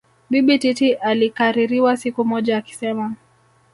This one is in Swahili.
Bibi Titi alikaririwa siku moja akisema